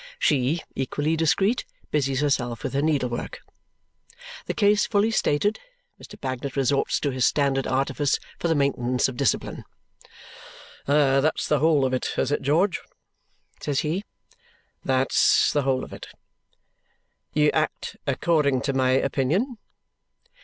She, equally discreet, busies herself with her needlework. The case fully stated, Mr. Bagnet resorts to his standard artifice for the maintenance of discipline. "That's the whole of it, is it, George?" says he. "That's the whole of it." "You act according to my opinion?"